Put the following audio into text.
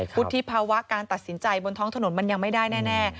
วุฒิภาวะการตัดสินใจบนท้องถนนมันยังไม่ได้แน่